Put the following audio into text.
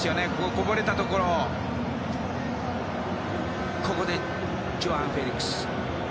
こぼれたところでジョアン・フェリックス。